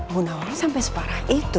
bu nawang sampai separah itu